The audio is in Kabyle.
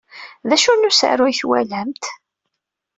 D acu n usaru ay twalamt?